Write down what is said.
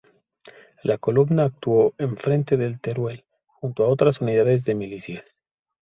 La columna actuó en el frente de Teruel junto a otras unidades de milicias.